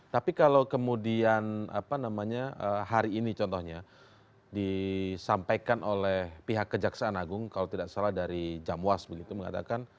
tapi kalau kemudian apa namanya hari ini contohnya disampaikan oleh pihak kejaksaan agung kalau tidak salah dari jamwas begitu mengatakan